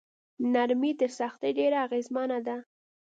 نرمي تر سختۍ ډیره اغیزمنه ده.